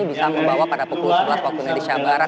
bisa membawa pada pukul sebelas waktu indonesia barat